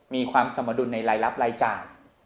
มีความสมดุลในรายรับรายจ่าย